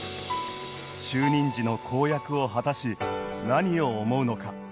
就任時の公約を果たし何を思うのか？